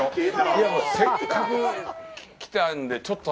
いや、もう、せっかく来たんで、ちょっと。